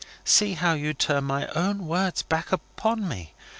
See how you turn my own words back upon me.